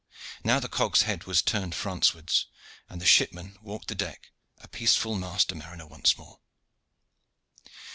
Now the cog's head was turned Francewards, and the shipman walked the deck, a peaceful master mariner once more.